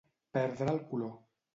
Perdre el color.